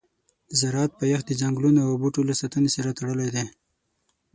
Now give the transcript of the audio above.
د زراعت پایښت د ځنګلونو او بوټو له ساتنې سره تړلی دی.